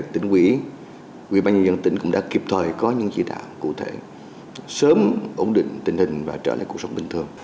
tỉnh quỹ quỹ ban nhân dân tỉnh cũng đã kịp thời có những dự đoạn cụ thể sớm ổn định tình hình và trở lại cuộc sống bình thường